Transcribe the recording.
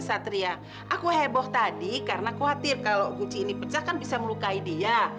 satria aku heboh tadi karena khawatir kalau kunci ini pecah kan bisa melukai dia